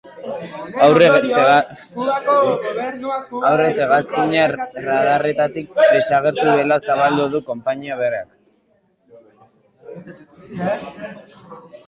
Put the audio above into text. Aurrez, hegazkina radarretatik desagertu dela zabaldu du konpainiak berak.